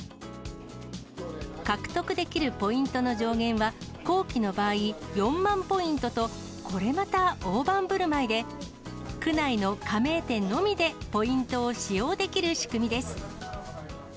獲得できるポイントの上限は、後期の場合、４万ポイントと、これまた大盤ぶるまいで、区内の加盟店のみでポイントを使用できる仕組みです。